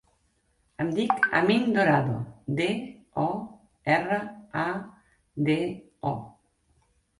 Em dic Amin Dorado: de, o, erra, a, de, o.